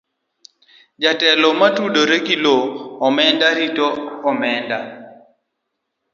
Jotelo motudore gi luwo omenda gi rito omenda